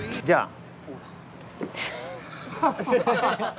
じゃあ。